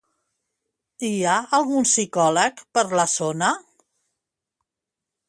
Hi ha algun psicòleg per la zona?